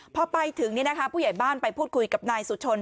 พอไปถึงผู้ใหญ่บ้านไปพูดคุยกับนายสุชน